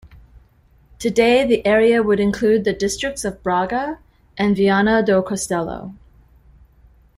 Today, the area would include the districts of Braga and Viana do Castelo.